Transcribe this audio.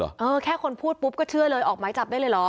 ก็ได้ว่าแค่คนพูดปุ๊ปก็เชื่อเลยออกมายจับได้เลยเหรอ